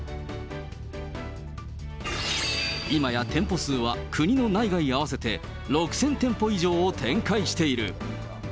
今や店舗数は国の内外合わせて６０００店舗以上を展開している。